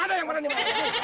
ada yang menemani